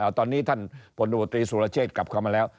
เอาตอนนี้ท่านผลบุตริสุรเชษฐ์กลับมาแล้ว